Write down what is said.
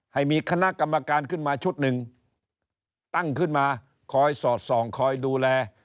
ให้มีคณะกรรมการขึ้นมาชุดหนึ่งตั้งขึ้นมาคอยสอดส่องคอยดูแล